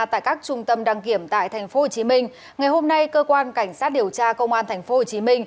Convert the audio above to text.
tại các trung tâm đăng kiểm tại tp hcm ngày hôm nay cơ quan cảnh sát điều tra công an tp hcm